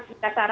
apa tindak laku